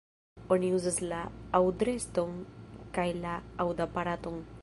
Oni uzas la aŭdreston kaj la aŭdaparaton.